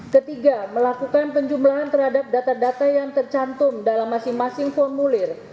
ketiga melakukan penjumlahan terhadap data data yang tercantum dalam masing masing formulir